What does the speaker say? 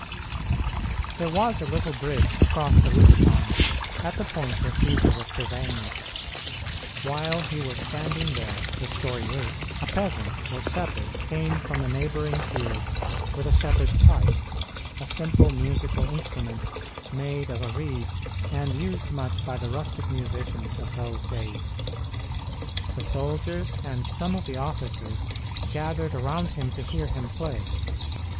There was a little bridge across the Rubicon at the point where Cćsar was surveying it. While he was standing there, the story is, a peasant or shepherd came from the neighboring fields with a shepherd's pipe a simple musical instrument made of a reed and used much by the rustic musicians of those days. The soldiers and some of the officers gathered around him to hear him play.